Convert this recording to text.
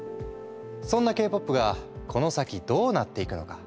そんなＫ−ＰＯＰがこの先どうなっていくのか。